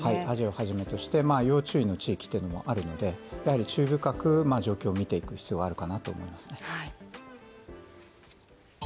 アジアをはじめとして要注意の地域もあるのでやはり注意深く状況を見ていく必要があると思いますね。